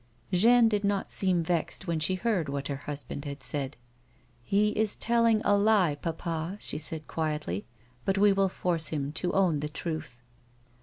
Jeanne did not seem vexed when she heard what her husband had said. " He is telling a lie, papa," she said, quietly ;" but we will force him to own the truth."